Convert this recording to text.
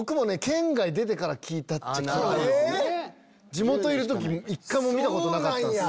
地元いる時１回も見たことなかったんです。